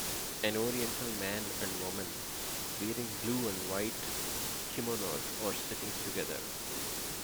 An Oriental man and woman wearing blue and white kimonos are sitting together.